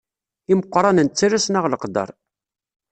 Imeqranen ttalasen-aɣ leqder.